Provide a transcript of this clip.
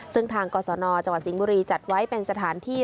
ซึ่งทางกศนจังหวัดสิงห์บุรีจัดไว้เป็นสถานที่